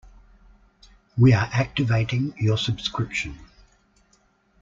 We are activating your subscription.